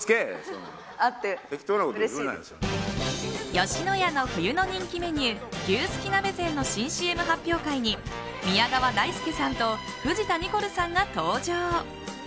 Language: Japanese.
吉野家の冬の人気メニュー牛すき鍋膳の新ＣＭ発表会に宮川大輔さんと藤田ニコルさんが登場。